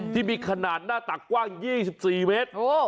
ที่มีขนาดหน้าตักกว้าง๒๔เมตร